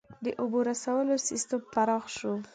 • د اوبو رسولو سیستم پراخ شو.